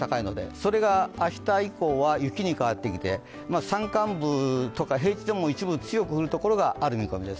それが明日以降は雪に変わってきて山間部とか平地でも一部、強く降るところがある見込みです。